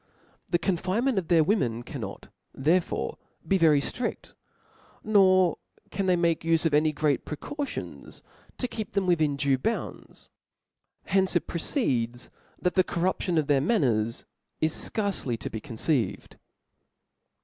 The confine ment of their women cannot therefore be very ftri(St ; nor can they make ufe of any great pre cautions to keep them within due bounds ; from hence it proceeds that the corruption of their man ners is fcarcely to be conceived.